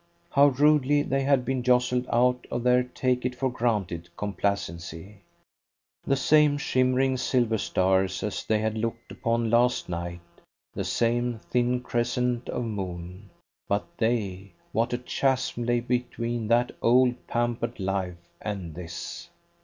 How rudely they had been jostled out of their take it for granted complacency! The same shimmering silver stars, as they had looked upon last night, the same thin crescent of moon but they, what a chasm lay between that old pampered life and this!